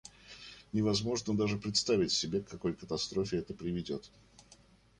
Невозможно даже представить себе, к какой катастрофе это приведет.